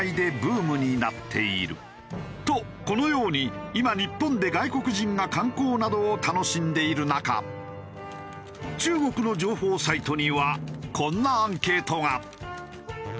とこのように今日本で外国人が観光などを楽しんでいる中中国の情報サイトにはこんなアンケートが。